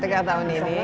tengah tahun ini